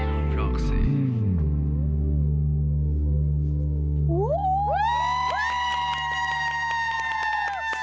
อ้าวอ้าวอ้าว